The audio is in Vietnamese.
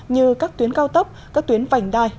như các tuyến cao tốc các tuyến vành đai